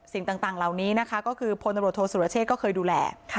สิ่งต่างเหล่านี้นะคะก็คือพลตำรวจโทษสุรเชษก็เคยดูแล